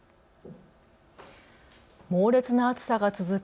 猛烈な暑さが続く